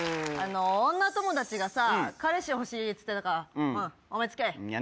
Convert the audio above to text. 女友達がさ、彼氏欲しいって言ってたから、お前つきあえ。